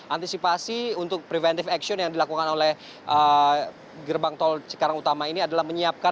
antisipasi untuk preventive action yang dilakukan oleh gerbang tol cikarang utama ini adalah menyiapkan